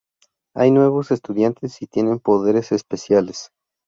Hay nuevos estudiantes y tienen poderes especiales.